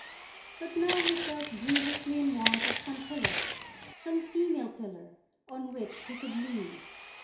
But now he felt grievously in want of some pillar, some female pillar, on which he could lean.